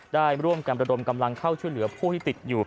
ได้ร่วมกันระดมกำลังเข้าช่วยเหลือผู้ที่ติดอยู่